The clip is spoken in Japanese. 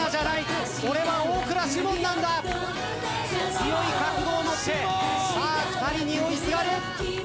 強い覚悟を持ってさあ２人に追いすがる。